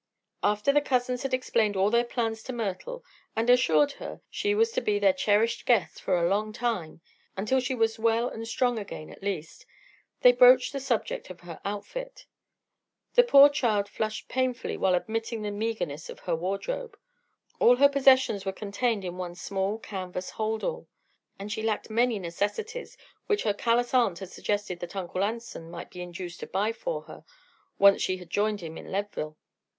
After the cousins had explained all their plans to Myrtle and assured her she was to be their cherished guest for a long time until she was well and strong again, at the least they broached the subject of her outfit. The poor child flushed painfully while admitting the meagerness of her wardrobe. All her possessions were contained in one small canvas "hold all," and she lacked many necessities which her callous aunt had suggested that Uncle Anson might be induced to buy for her once she had joined him in Leadville.